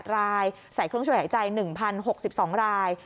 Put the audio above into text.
๘รายใส่เครื่องช่วยหายใจ๑๐๖๒ราย